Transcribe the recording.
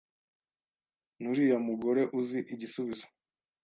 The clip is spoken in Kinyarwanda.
Nuriya mugore uzi igisubizo?